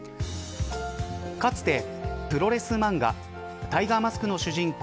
かつて、プロレス漫画タイガーマスクの主人公